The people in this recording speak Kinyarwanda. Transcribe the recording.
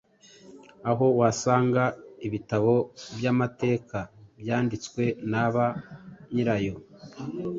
aho wasanga ibitabo by’amateka byanditswe na ba nyirayo,